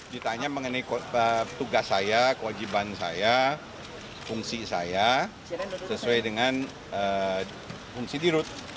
ditanya mengenai tugas saya kewajiban saya fungsi saya sesuai dengan fungsi dirut